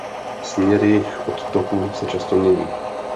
Směr jejich odtoku se často mění.